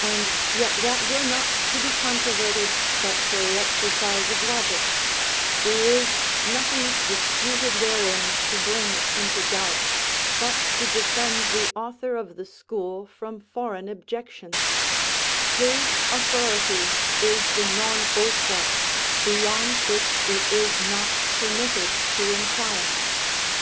And yet that were not to be controverted but for the exercise of logic; there is nothing disputed therein to bring it into doubt, but to defend the author of the school from foreign objections; his authority is the non ultra, beyond which it is not permitted to inquire.